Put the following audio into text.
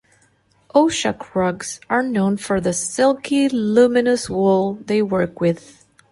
Oushak rugs are known for the silky, luminous wool they work with.